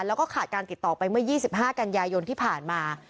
แล้วก็ขาดการติดต่อไปเมื่อ๒๕กันยายนที่ผ่านมา